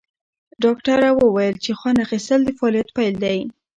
ډاکټره وویل چې خوند اخیستل د فعالیت پیل دی.